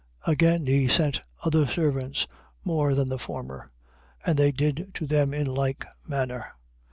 21:36. Again he sent other servants, more than the former; and they did to them in like manner.